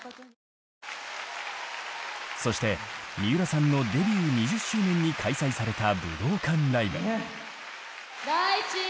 そして三浦さんのデビュー２０周年に開催された武道館ライブ。